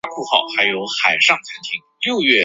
傅亮人。